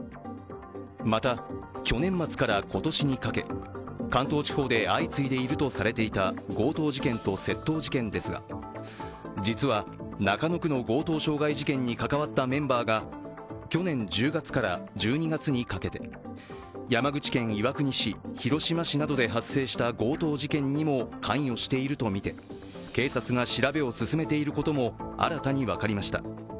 また、去年末から今年にかけ関東地方で相次いでいるとされていた強盗事件と窃盗事件ですが実は中野区の強盗傷害事件に関わったメンバーが去年１０月から１２月にかけて山口県岩国市、広島市などで発生した強盗事件にも関与しているとみて警察が調べを進めていることも新たに分かりました。